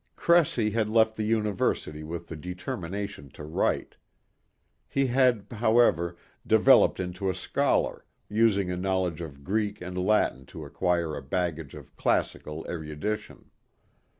Cressy had left the university with the determination to write. He had, however, developed into a scholar, using a knowledge of Greek and Latin to acquire a baggage of classical erudition.